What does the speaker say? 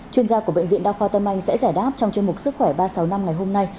chuyên gia của bệnh viện đa khoa tâm anh sẽ giải đáp trong chương mục sức khỏe ba trăm sáu mươi năm ngày hôm nay